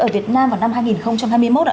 ở việt nam vào năm hai nghìn hai mươi một ạ